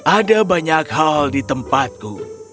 ada banyak hal di tempatku